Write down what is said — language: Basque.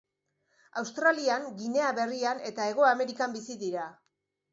Australian, Ginea Berrian eta Hego Amerikan bizi dira.